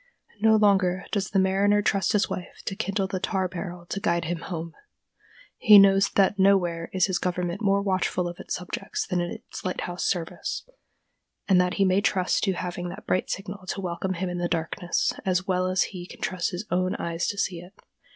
No longer does the mariner trust to his wife to kindle the tar barrel to guide him home. He knows that nowhere is his government more watchful of its subjects than in its lighthouse service, and that he may trust to having that bright signal to welcome him in the darkness, as well as he can trust his own eyes to see it.